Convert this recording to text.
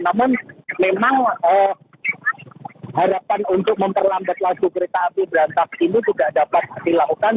namun memang harapan untuk memperlambat laju kereta api berantas ini tidak dapat dilakukan